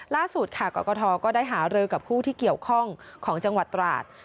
ล่าสุดค่ะกรกฐก็ได้หารือกับผู้ที่เกี่ยวข้องของจังหวัดตราด